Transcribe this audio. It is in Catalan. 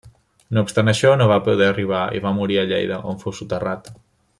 No obstant això, no va poder arribar, i va morir a Lleida, on fou soterrat.